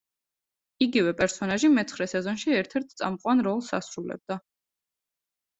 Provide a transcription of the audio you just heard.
იგივე პერსონაჟი მეცხრე სეზონში ერთ-ერთ წამყვან როლს ასრულებდა.